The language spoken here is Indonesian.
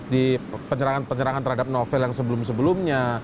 di penyerangan penyerangan terhadap novel yang sebelum sebelumnya